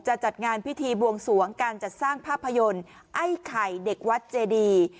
จัดงานพิธีบวงสวงการจัดสร้างภาพยนตร์ไอ้ไข่เด็กวัดเจดี